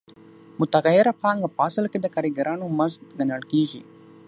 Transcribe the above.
متغیره پانګه په اصل کې د کارګرانو مزد ګڼل کېږي